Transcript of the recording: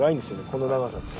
この長さって。